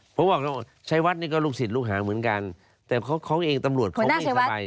เพราะว่าใช้วัดนี่ก็ลูกศิษย์ลูกหาเหมือนกันแต่เขาเองตำรวจเขาไม่สบาย